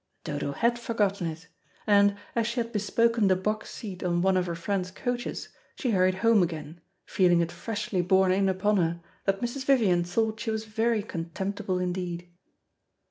Dodo had forgotten it, and, as she had bespoken the box seat on one of her friends' coaches, she hurried home again, feeling it freshly borne in upon her that Mrs. Vivian thought she was very contemptible indeed.